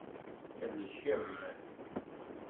Lkem.